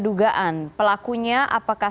dugaan pelakunya apakah